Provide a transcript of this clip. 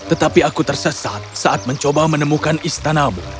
tetapi aku tersesat saat mencoba menemukan istanamu